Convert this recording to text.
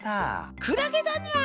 クラゲだニャ！